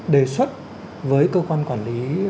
đề xuất với cơ quan quản lý